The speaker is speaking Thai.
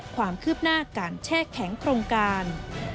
ความคืบหน้าการแช่แข็งโครงการ